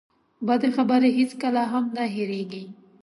بدې خبرې هېڅکله هم نه هېرېږي.